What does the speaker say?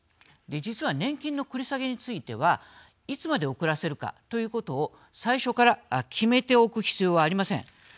実は年金の繰り下げについてはいつまで遅らせるかということを最初から決めておく必要はありません。